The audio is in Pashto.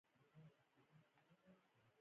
اکبر جان ور پسې و.